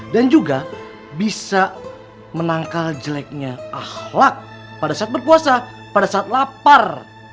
dan juga bisa menangkal jeleknya akhlak pada saat berpuasa pada saat lapar